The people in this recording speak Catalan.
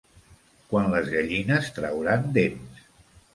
Quan les gallines trauran dents.